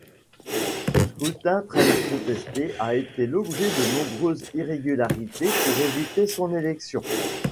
Ce scrutin très contesté a été l'objet de nombreuses irrégularités pour éviter son élection.